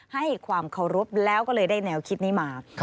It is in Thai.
ให้ความเคารพแล้วก็เลยได้แนวคิดนี้มา